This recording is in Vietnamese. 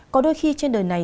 có đôi khi trên đời này